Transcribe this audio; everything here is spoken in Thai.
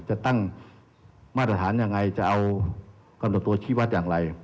จะตั้งมาตรฐานยังไงจะเอากำหนดตัวชี้วัดอย่างไร